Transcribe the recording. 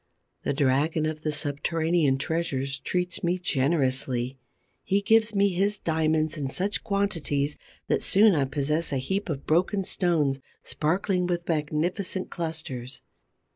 The dragon of the subterranean treasures treats me generously. He gives me his diamonds in such quantities that soon I possess a heap of broken stones sparkling with magnificent clusters.